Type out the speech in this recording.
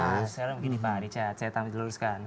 nah sekarang begini pak richard saya tambahin teruskan